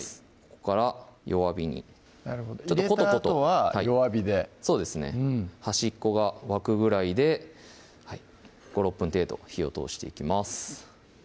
ここから弱火になるほど入れたあとは弱火でそうですね端っこが沸くぐらいで５６分程度火を通していきます